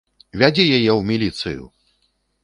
Вядзі яе ў міліцыю!